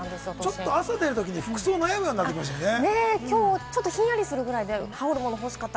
ちょっと朝出るときに服装、悩むようになりましたね。